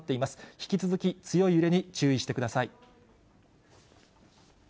引き続き、強い揺れに注意してください。